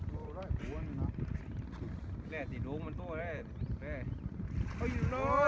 โรงการคาดเมืองแฟนการแบบที่ก้าว